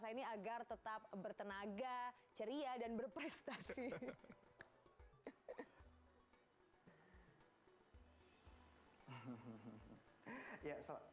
saya ini agar tetap bertenaga ceria dan berprestasi